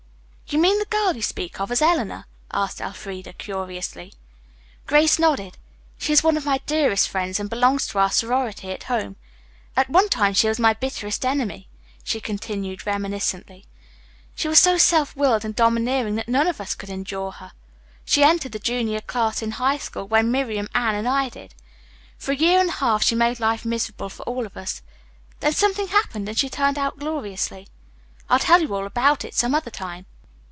"You mean the girl you speak of as Eleanor?" asked Elfreda curiously. Grace nodded. "She is one of my dearest friends and belongs to our sorority at home. At one time she was my bitterest enemy," she continued reminiscently. "She was so self willed and domineering that none of us could endure her. She entered the junior class in high school when Miriam, Anne and I did. For a year and a half she made life miserable for all of us, then something happened and she turned out gloriously. I'll tell you all about it some other time."